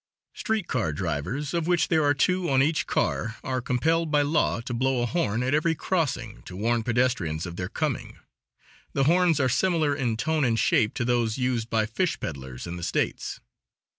Street car drivers, of which there are two on each car, are compelled by law to blow a horn at every crossing to warn pedestrians of their coming; the horns are similar, in tone and shape, to those used by fish peddlers in the States.